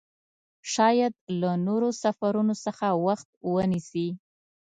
شاید له نورو سفرونو څخه وخت ونیسي.